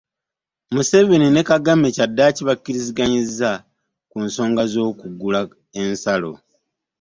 Museveni ne Kagame kyaddaaki bakkiriziganyizza ku nsonga y'okuggula ensalo.